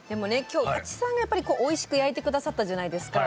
今日和知さんがおいしく焼いて下さったじゃないですか。